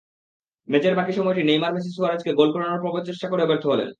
ম্যাচের বাকি সময়টি নেইমার-মেসি সুয়ারেজকে গোল করানোর প্রবল চেষ্টা করেও ব্যর্থ হলেন।